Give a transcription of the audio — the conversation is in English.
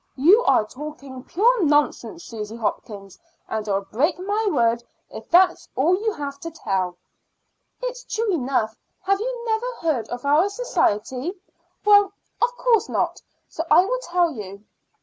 You are talking pure nonsense, Susan Hopkins, and I'll break my word if that's all you have to tell." "It's true enough. Have you never heard of our society? Well, of course not, so I will tell you.